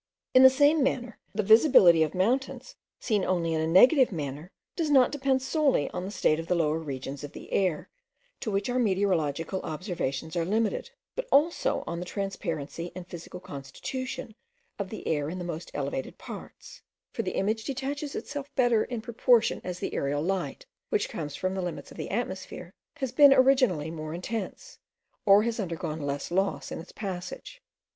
In the same manner, the visibility of mountains seen only in a negative manner, does not depend solely on the state of the lower regions of the air, to which our meteorological observations are limited, but also on the transparency and physical constitution of the air in the most elevated parts; for the image detaches itself better in proportion as the aerial light, which comes from the limits of the atmosphere, has been originally more intense, or has undergone less loss in its passage.